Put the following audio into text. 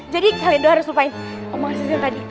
jadi kalian dua harus lupain omongan sisian tadi